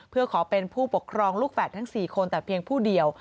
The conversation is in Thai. เพื่อขอเป็นผู้ปกครองลูกแฝดทั้ง๔คนแต่เพียงผู้เดียว